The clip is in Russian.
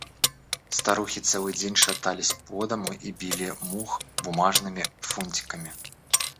Старухи целый день шатались по дому и били мух бумажными фунтиками.